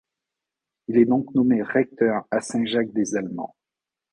Il est donc nommé recteur à Saint-Jacques-des-Allemands.